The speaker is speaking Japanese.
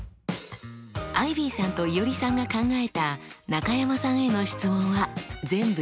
アイビーさんといおりさんが考えた中山さんへの質問は全部で８問。